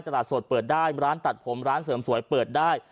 ตลาดสดเปิดได้ร้านตัดผมร้านเสริมสวยเปิดได้